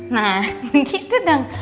nah gitu dong